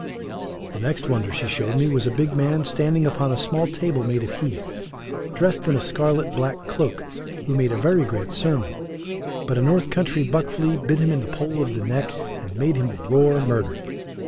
The next wonder she showed me was a big man standing upon a small table made of heath, dressed in a scarlet black cloak, who made a very great sermon, but a north country buck flea bit him in the pole of the neck, and made him roar murder.